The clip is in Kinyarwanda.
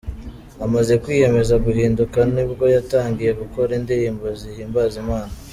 Amaze kwiyemeza guhinduka ni bwo yatangiye gukora indirimbo zihimbaza Imana.